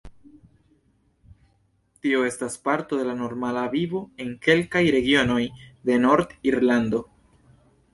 Tio estas parto de la normala vivo en kelkaj regionoj de Nord-Irlando.